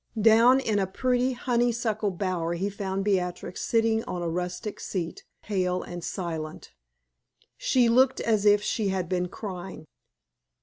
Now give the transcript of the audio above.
Down in a pretty honeysuckle bower he found Beatrix sitting on a rustic seat, pale and silent. She looked as if she had been crying.